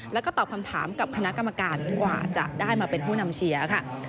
แล้วก็ตอบคำถามกับคณะกรรมการกว่าจะได้มาเป็นผู้นำเชียร์ค่ะ